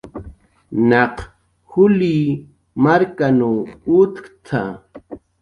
"Naq juli markaw utkt""a"